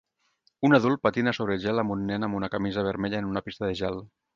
Un adult patina sobre gel amb un nen amb una camisa vermella en una pista de gel.